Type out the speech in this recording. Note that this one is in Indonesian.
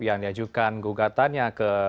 yang diajukan gugatannya ke